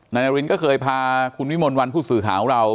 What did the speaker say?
นายนารินก็เคยพาคุณวิมลวันผู้สื่อข่าวของเรา